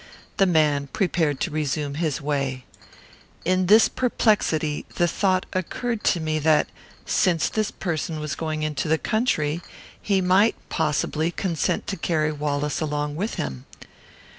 The man prepared to resume his way. In this perplexity, the thought occurred to me that, since this person was going into the country, he might, possibly, consent to carry Wallace along with him.